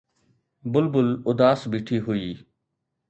بلبل اداس بيٺي هئي